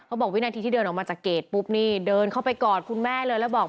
บอกวินาทีที่เดินออกมาจากเกรดปุ๊บนี่เดินเข้าไปกอดคุณแม่เลยแล้วบอก